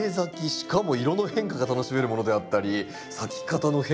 しかも色の変化が楽しめるものであったり咲き方の変化もあったり。